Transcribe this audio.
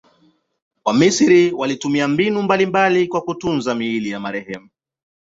Wamisri walitumia mbinu mbalimbali kwa kutunza miili ya marehemu.